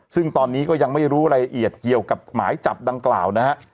ซึ่งตอนนี้ก็ยังไม่รู้รายละเอียดเกี่ยวกับหมายจับดังกล่าวนะฮะ